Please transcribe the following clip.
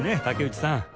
武内さん